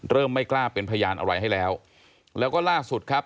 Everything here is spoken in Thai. ไม่กล้าเป็นพยานอะไรให้แล้วแล้วก็ล่าสุดครับ